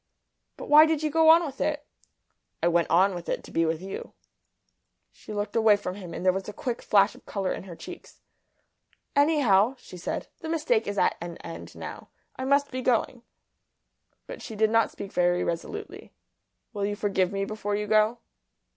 "But why did you go on with it?" "I went on with it to be with you." She looked away from him, and there was a quick flush of colour in her cheeks. "Anyhow," she said, "the mistake is at an end now. I must be going." But she did not speak very resolutely. "Will you forgive me before you go?"